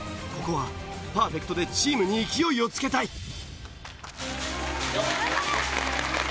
ここはパーフェクトでチームに勢いをつけたい。